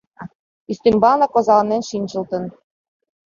Ӱстембалнак озаланен шинчылтын.